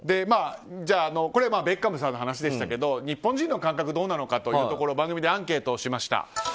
これはベッカムさんの話でしたけど日本人の感覚、どうなのかというところを番組でアンケートしました。